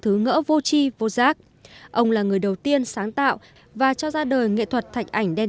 thứ ngỡ vô chi vô giác ông là người đầu tiên sáng tạo và cho ra đời nghệ thuật thạch ảnh đen